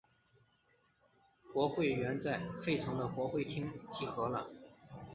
国会原在费城的国会厅集会了。